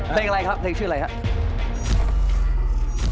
เพลงเรื่องอะไรครับ